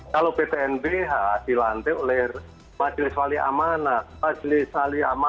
kalau pt nbh dilantik oleh majelis wali amanat